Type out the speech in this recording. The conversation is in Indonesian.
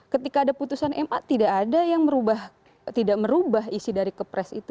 ketika ada putusan ma tidak ada yang tidak merubah isi dari kepres itu